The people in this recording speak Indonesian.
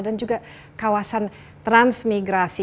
dan juga kawasan transmigrasi